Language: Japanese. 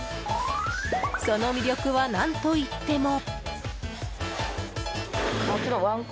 その魅力は何といっても。